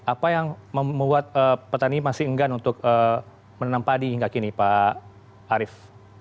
apa yang membuat petani masih enggan untuk menanam padi hingga kini pak harif